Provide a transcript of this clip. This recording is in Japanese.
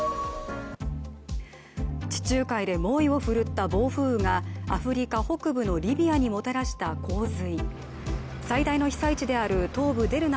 地中海で猛威を振るった暴風雨がアフリカ北部のリビアにもたらした洪水。